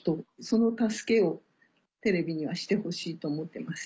その助けをテレビにはしてほしいと思ってます。